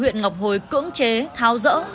huyện ngọc hồi cưỡng chế thao dỡ